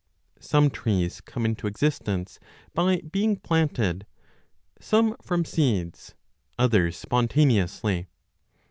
Some trees come into existence by being planted, some 30 from seeds, others spontaneously.